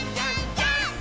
ジャンプ！！